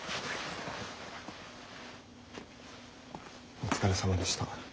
お疲れさまでした。